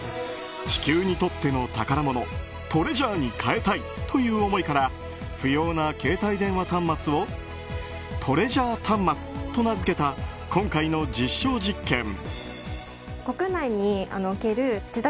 地球にとっての宝物トレジャーに変えたいという思いから不要な携帯電話端末をトレジャー端末と名付けた今回の実証実験。